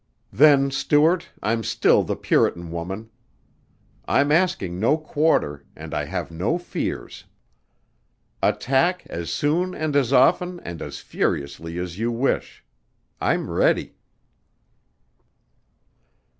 "Then, Stuart, I'm still the puritan woman. I'm asking no quarter and I have no fears. Attack as soon and as often and as furiously as you wish. I'm ready."